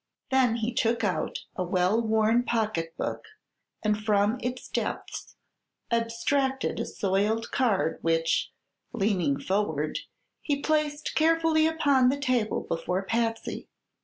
Then he took out a well worn pocketbook and from its depths abstracted a soiled card which, leaning forward, he placed carefully upon the table before Patsy.